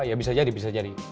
ya bisa jadi bisa jadi